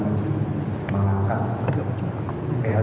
ya dan sama saja